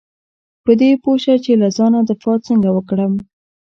په دې پوه شه چې له ځانه دفاع څنګه وکړم .